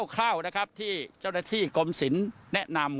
คร่าวนะครับที่เจ้าหน้าที่กรมศิลป์แนะนำ